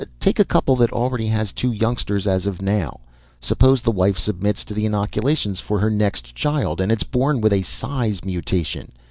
Take a couple that already has two youngsters, as of now. Suppose the wife submits to the inoculations for her next child and it's born with a size mutation.